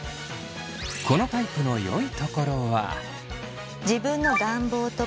このタイプのよいところは。